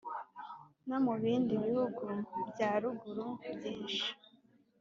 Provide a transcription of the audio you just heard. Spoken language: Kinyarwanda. no mu bindi bihugu byaruguru byinshi :